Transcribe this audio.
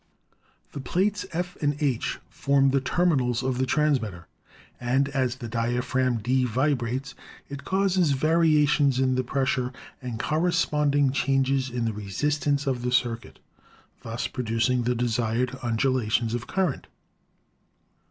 The plates, F and H, form the terminals of the transmitter, and as the dia phragm, D, vibrates, it causes variations in the pressure THE TELEPHONE 271 and corresponding changes in the resistance of the cir cuit, thus producing the desired undulations of current.